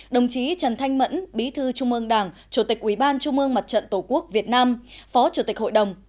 đồng chí trần thanh mẫn bí thư trung ương đảng chủ tịch ubnd tổ quốc việt nam phó chủ tịch hội đồng